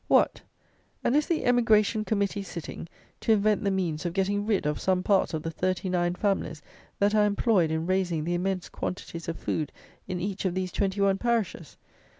What! and is the "Emigration Committee" sitting, to invent the means of getting rid of some part of the thirty nine families that are employed in raising the immense quantities of food in each of these twenty one parishes?